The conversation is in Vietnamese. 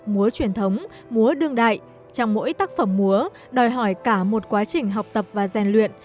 múa truyền thống múa đương đại trong mỗi tác phẩm múa đòi hỏi cả một quá trình học tập và rèn luyện